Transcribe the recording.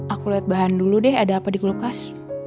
aku lihat bahan dulu deh ada apa di kulkas